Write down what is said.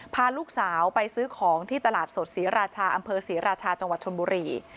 พาลูกสาวไปซื้อของที่ตลาดสดศรีราชาอำเภอศรีราชาจังหวัดชนบุรี